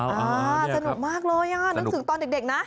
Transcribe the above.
สนุกมากเลยอะรู้สึกตอนเด็กนะ